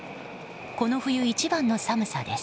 この冬一番の寒さです。